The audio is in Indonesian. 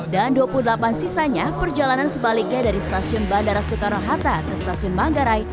dan dua puluh delapan sisanya perjalanan sebaliknya dari stasiun bandara soekarno hatta ke stasiun manggarai